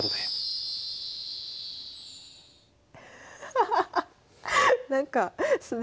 ハハハッ！